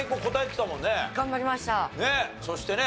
そしてね